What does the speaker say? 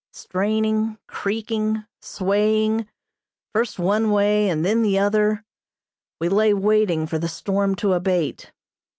Straining, creaking, swaying, first one way and then the other, we lay waiting for the storm to abate.